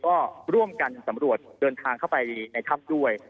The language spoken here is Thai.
ก็ร่วมกันสำรวจเดินทางเข้าไปในถ้ำด้วย